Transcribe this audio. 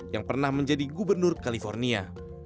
yang pernah menjadi gubernur california